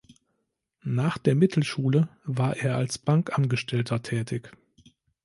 Nach der Mittelschule war er als Bankangestellter tätig.